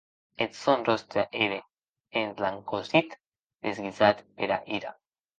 Eth sòn ròstre ère esblancossit, desguisat pera ira.